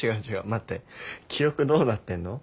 待って記憶どうなってんの？